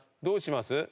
どうします？